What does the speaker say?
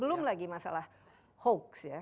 belum lagi masalah hoax ya